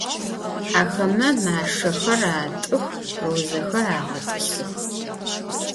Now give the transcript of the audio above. Axeme maşşexer at'ıx, rozexer ağet'ısıx.